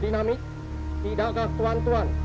tidaklah tuan tuan di belakang kata tuan tuan itu